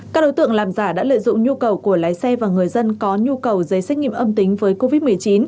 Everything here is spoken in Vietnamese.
các đối tượng làm giả đã lợi dụng nhu cầu của lái xe và người dân có nhu cầu giấy xét nghiệm âm tính với covid một mươi chín